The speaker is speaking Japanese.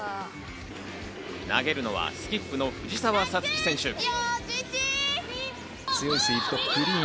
投げるのはスキップの藤澤五月選手。